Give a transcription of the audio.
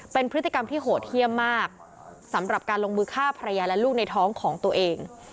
เป็นพฤติกรรมที่โหดเยี่ยมมากสำหรับการลงมือฆ่าภรรยาและลูกในท้องของตัวเอง